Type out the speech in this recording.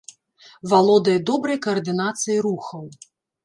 Валодае добрай каардынацыяй рухаў.